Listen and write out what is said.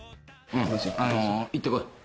あの行ってこい。